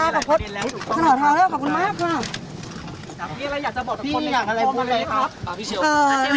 ขอบคุณมากค่ะ